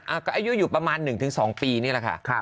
อายุอยู่ประมาณ๑๒ปีนี่แหละค่ะ